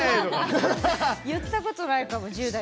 言ったことないかも１０代の時。